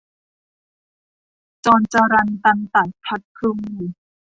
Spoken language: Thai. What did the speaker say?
จรจรัลตันตัดพลัดพลู